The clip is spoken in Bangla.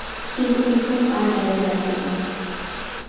কিন্তু কুসুম আর যাইতে রাজি নয়।